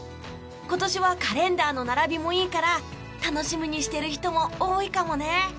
今年はカレンダーの並びもいいから楽しみにしている人も多いかもね。